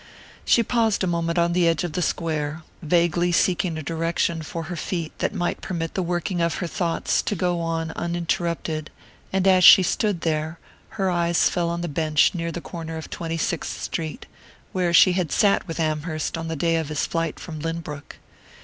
She paused a moment on the edge of the square, vaguely seeking a direction for her feet that might permit the working of her thoughts to go on uninterrupted; and as she stood there, her eyes fell on the bench near the corner of Twenty sixth Street, where she had sat with Amherst on the day of his flight from Lynbrook.